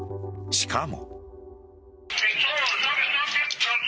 しかも。